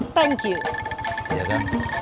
apa di atas genteng ada kayu